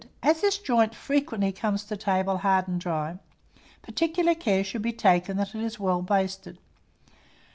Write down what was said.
As this joint frequently comes to table hard and dry, particular care should be taken that it is well basted.